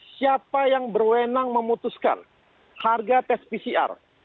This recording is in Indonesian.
siapa yang berwenang memutuskan harga tes pcr